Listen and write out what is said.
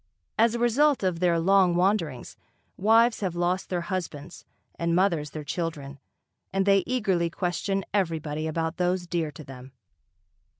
As a result of their long wanderings, wives have lost their husbands and mothers their children and they eagerly question everybody about those dear to them.